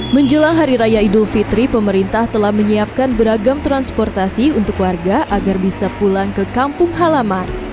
menjelang hari raya idul fitri pemerintah telah menyiapkan beragam transportasi untuk warga agar bisa pulang ke kampung halaman